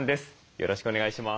よろしくお願いします。